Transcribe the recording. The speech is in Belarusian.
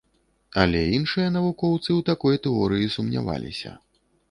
Але іншыя навукоўцы ў такой тэорыі сумняваліся.